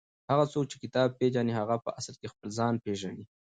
هغه څوک چې کتاب پېژني هغه په اصل کې خپل ځان پېژني.